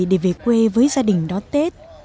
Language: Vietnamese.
để về quê với gia đình đó tết